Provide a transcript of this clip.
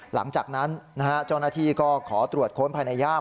หลังจากนั้นเจ้าหน้าที่ก็ขอตรวจค้นภายในย่าม